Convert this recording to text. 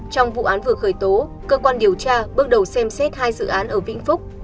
trong vụ án vừa khởi tố cơ quan điều tra bước đầu xem xét hai dự án ở vĩnh phúc